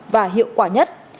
và hiệu quả nhất